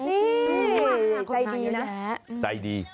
นี่ใจดีนะ